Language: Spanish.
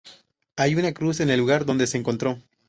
Hay una cruz en el lugar donde se encontró.